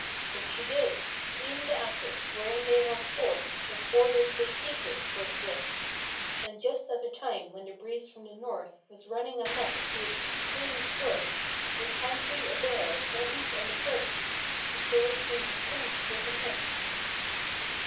225 But she did. E'en the attic, where in they held forth Was ordered vacated forthwith. And just at the time when the breeze from the North, Was running amuck to its extremest worth. With pantry a bare; no heat on the hearth— (The story seems tinged with the myth.)